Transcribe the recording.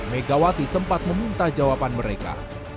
megawati sempat meminta jawaban mereka